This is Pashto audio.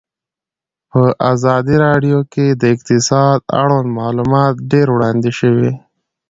په ازادي راډیو کې د اقتصاد اړوند معلومات ډېر وړاندې شوي.